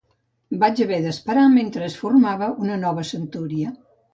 Vaig haver d'esperar mentre es formava una nova centúria.